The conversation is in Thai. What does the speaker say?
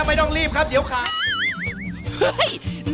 ไม่ต้องรีบครับเดี๋ยวขาด